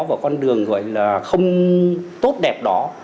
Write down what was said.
và con đường gọi là không tốt đẹp đó